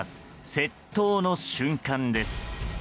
窃盗の瞬間です。